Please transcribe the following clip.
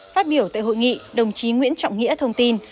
phát biểu tại hội nghị đồng chí nguyễn trọng nghĩa thông tin